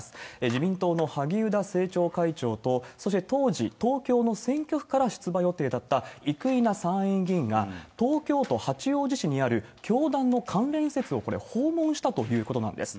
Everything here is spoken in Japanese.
自民党の萩生田政調会長と、そして当時、東京の選挙区から出馬予定だった生稲参院議員が、東京都八王子市にある教団の関連施設を、これ、訪問したということなんです。